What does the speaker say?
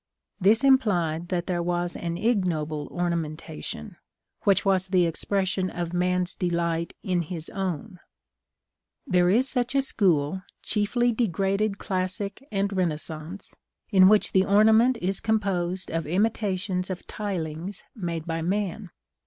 This implied that there was an _ig_noble ornamentation, which was the expression of man's delight in his own. There is such a school, chiefly degraded classic and Renaissance, in which the ornament is composed of imitations of tilings made by man.